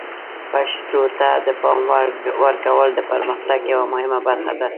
پښتو ته د پام ورکول د پرمختګ یوه مهمه برخه ده.